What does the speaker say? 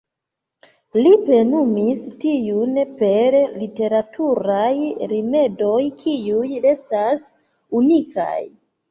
Li plenumis tiun per literaturaj rimedoj kiuj restas unikaj.